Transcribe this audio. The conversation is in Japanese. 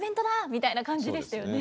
みたいな感じでしたよね。